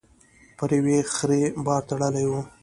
پر يوې خرې بار تړلی و.